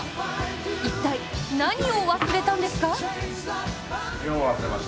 一体何を忘れたんですか？